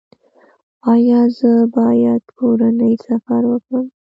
ایا زه باید کورنی سفر وکړم؟